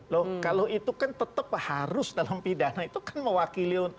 loh kalau itu kan tetap harus dalam pidana itu kan mewakili